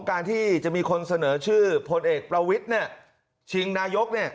การที่จะมีคนเสนอชื่อโพลเอกประวิทธิ์เนี่ยชิงนายกด์เนี่ย